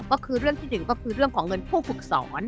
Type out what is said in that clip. ก็คือเรื่องที่หนึ่งก็คือเรื่องของเงินผู้ฝึกสอน